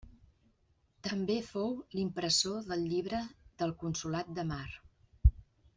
També fou l’impressor del Llibre del Consolat de Mar.